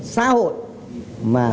xã hội mà